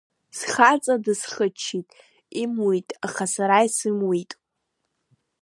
Схаҵа дысхыччеит, имуит, аха сара исымуит.